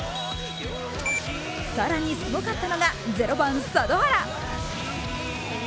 更にすごかったのが０番・佐土原。